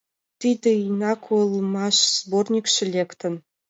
Тиде ийынак ойлымаш сборникше лектын.